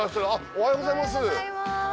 おはようございます。